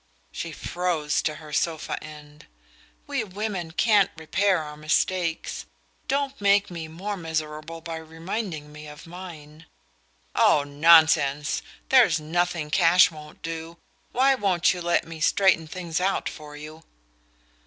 She froze to her sofa end. "We women can't repair our mistakes. Don't make me more miserable by reminding me of mine." "Oh, nonsense! There's nothing cash won't do. Why won't you let me straighten things out for you?"